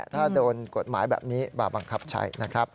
ถ้าโดนกฎหมายแบบนี้มาบังคับใช้นะครับ